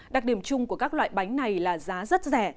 đặc điểm chung của các loại bánh này là giá rất rẻ